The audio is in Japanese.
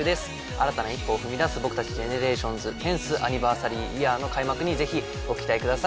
新たな一歩を踏み出す僕たちＧＥＮＥＲＡＴＩＯＮＳ１０ｔｈアニバーサリーイヤーの開幕にぜひご期待ください。